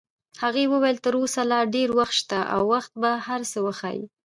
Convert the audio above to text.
هغې وویل: تر اوسه لا ډېر وخت شته او وخت به هر څه وښایي.